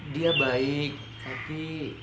dia baik tapi